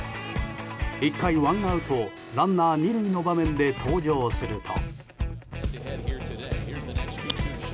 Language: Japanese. １回、ワンアウトランナー２塁の場面で登場すると。